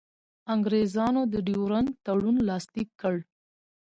انګرېزانو د ډیورنډ تړون لاسلیک کړ.